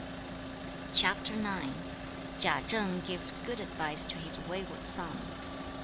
CHAPTER IX. Chia Cheng gives good advice to his wayward son.